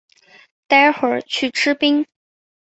待会去吃冰